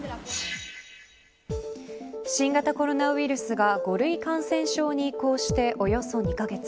新型コロナウイルスが５類感染症に移行しておよそ２カ月。